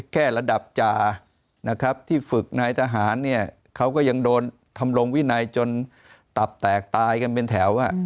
ระดับจานะครับที่ฝึกนายทหารเนี่ยเขาก็ยังโดนทำลงวินัยจนตับแตกตายกันเป็นแถว